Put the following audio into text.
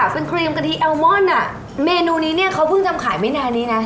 เป็นครีมกะทิแอลมอนด์อ่ะเมนูนี้เนี้ยเขาเพิ่งจำขายไม่แทนนี้น่ะ